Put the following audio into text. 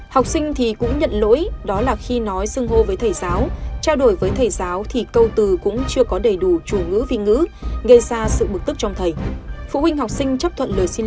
học sinh và phụ huynh học sinh